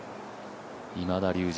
今田龍二